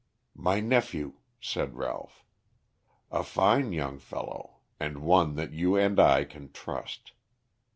"My nephew," said Ralph. "A fine young fellow, and one that you and I can trust.